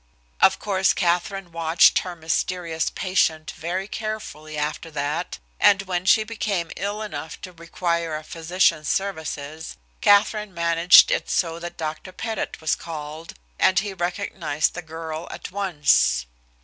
Of course, Katherine watched her mysterious patient very carefully after that, and when she became ill enough to require a physician's services, Katharine managed it so that Dr. Pettit was called, and he recognized the girl at once.